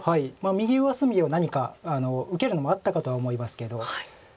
右上隅を何か受けるのもあったかと思いますけど。